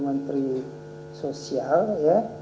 dan diperiksa di jawa bali